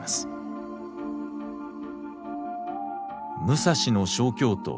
武蔵の小京都